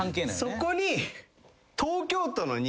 そこに。